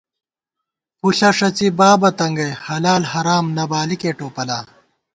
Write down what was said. پُݪہ ݭڅی، بابہ تنگئ، حلال حرام نہ بالِکےٹوپلا